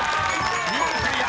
２問クリア！